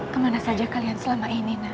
kemana saja kalian selama ini